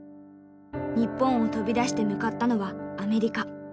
日本を飛び出して向かったのはアメリカ。